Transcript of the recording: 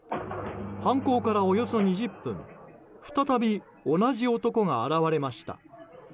犯行からおよそ２０分再び同じ男が現れました。